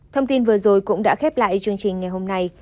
thông tin vừa rồi cũng đã khép lại chương trình ngày hôm nay